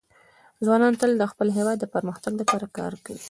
ځوانان تل د خپل هېواد د پرمختګ لپاره کار کوي.